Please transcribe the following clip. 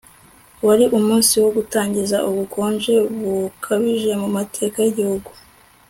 Wari umunsi wo gutangiza ubukonje bukabije mu mateka yigihugu